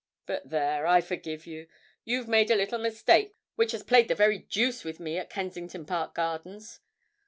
But there, I forgive you. You've made a little mistake which has played the very deuce with me at Kensington Park Gardens.